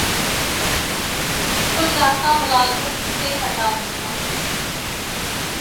جس کو چاہتا ملازمت سے ہٹا دیتا